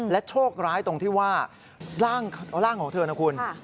โชคร้ายตรงที่ว่าร่างของเธอนะคุณ